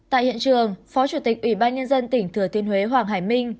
tại hiện trường phó chủ tịch ủy ban nhân dân tỉnh thừa thiên huế hoàng hải minh